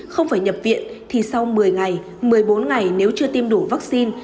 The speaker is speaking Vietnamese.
không phải nhập viện thì sau một mươi ngày một mươi bốn ngày nếu chưa tiêm đủ vaccine